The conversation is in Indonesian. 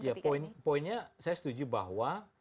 ya poinnya saya setuju bahwa